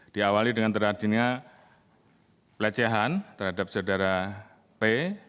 diawali dengan terjadinya pelecehan terhadap saudara p